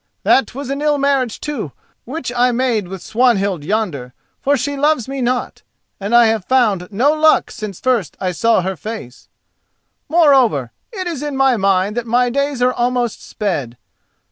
That was an ill marriage, too, which I made with Swanhild yonder: for she loves me not, and I have found no luck since first I saw her face. Moreover, it is in my mind that my days are almost sped.